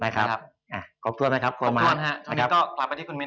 ขอบคุณครับตรงนี้ก็กลับมาที่คุณมินครับผม